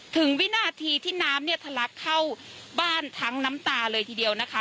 วินาทีที่น้ำเนี่ยทะลักเข้าบ้านทั้งน้ำตาเลยทีเดียวนะคะ